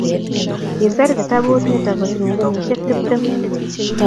Kiser kitabut nito kotinyei kenyisiek tiptem